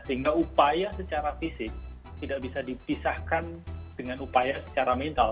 sehingga upaya secara fisik tidak bisa dipisahkan dengan upaya secara mental